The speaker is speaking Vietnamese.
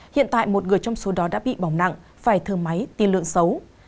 hiện tại một người trong số đó đã bị bỏng nặng phải thơm máy tiên lượng xấu